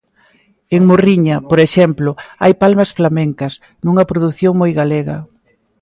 En Morriña, por exemplo, hai palmas flamencas, nunha produción moi galega.